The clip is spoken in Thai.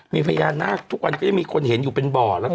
มีพญานาคทุกวันก็จะมีคนเห็นอยู่เป็นบ่อแล้วก็